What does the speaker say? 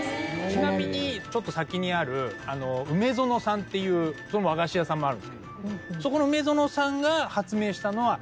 ちなみにちょっと先にある梅園さんっていう和菓子屋さんもあるんすけどそこの梅園さんが発明したのは。